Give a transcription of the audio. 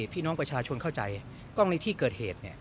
พี่น้องประชาชนเข้าใจกล้องในที่เกิดเหตุ